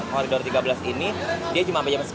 koridor tiga belas ini dia cuma sampai jam sepuluh